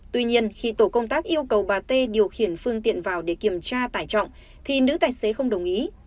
tuy nhiên khi tổ công tác yêu cầu bà t điều khiển phương tiện vào để kiểm tra tải trọng thì nữ tài xế không đồng ý